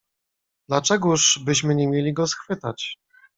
"Dlaczegóż byśmy nie mieli go schwytać."